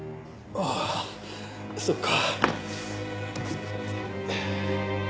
ああそっか。